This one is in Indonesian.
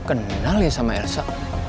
kenal ya sama elsa